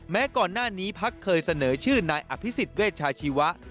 แม้ก่อนหน้านี้พักเคยเสนอชื่อนายอภิษฎเวชาชีวะ